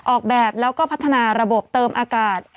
ออกแบบแล้วก็พัฒนาระบบเติมอากาศ